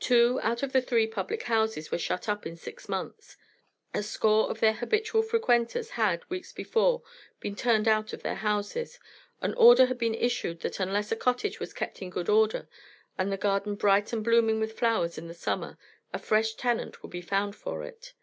Two out of the three public houses were shut up in six months, a score of their habitual frequenters had, weeks before, been turned out of their houses, an order had been issued that unless a cottage was kept in good order and the garden bright and blooming with flowers in the summer a fresh tenant would be found for it.